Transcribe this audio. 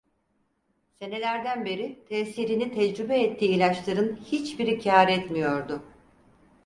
Senelerden beri tesirini tecrübe ettiği ilaçların hiçbiri kar etmiyordu.